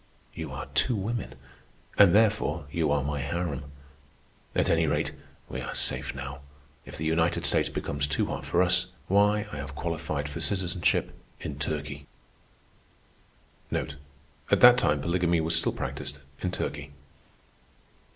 You are two women, and therefore you are my harem. At any rate, we are safe now. If the United States becomes too hot for us, why I have qualified for citizenship in Turkey." At that time polygamy was still practised in Turkey.